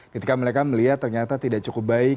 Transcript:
ketika mereka melihat ternyata tidak cukup baik